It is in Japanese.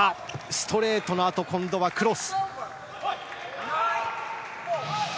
ストレートのあとは今度はクロス。